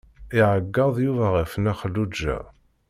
Iɛeggeḍ Yuba ɣef Nna Xelluǧa.